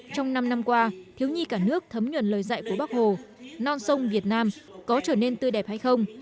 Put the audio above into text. trong năm năm qua thiếu nhi cả nước thấm nhuần lời dạy của bác hồ non sông việt nam có trở nên tươi đẹp hay không